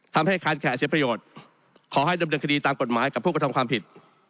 ทำให้คานแขเสียประโยชน์ขอให้ดำเนินคดีตามกฎหมายกับผู้กระทำความผิด